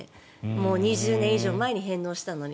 もう２０年以上前に返納したのに。